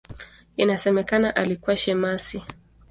Inasemekana alikuwa shemasi.